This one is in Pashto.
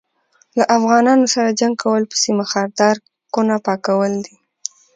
له افغانانو سره جنګ کول په سيم ښاردار کوونه پاکول دي